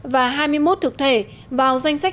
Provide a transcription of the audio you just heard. và hai mươi một thực thể vào danh sách